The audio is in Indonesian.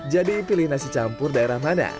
jadi pilih nasi campur daerah mana